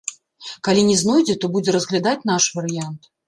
Калі не знойдзе, то будзе разглядаць наш варыянт.